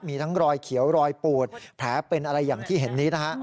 มีทั้งรอยเขียวรอยปูดแผลเป็นอะไรอย่างที่เห็นนี้นะฮะ